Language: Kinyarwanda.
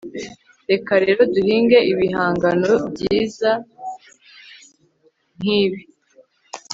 reka rero duhinge ibihangano byiza nkibi